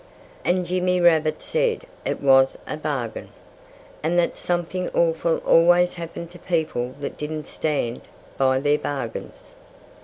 And Jimmy Rabbit said it was a bargain, and that something awful always happened to people that didn't stand by their bargains.